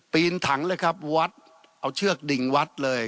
ปีนถังเลยครับวัดเอาเชือกดิ่งวัดเลย